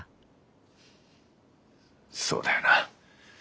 そうだよな。